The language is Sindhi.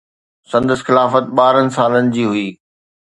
سندس خلافت ٻارهن سالن جي هئي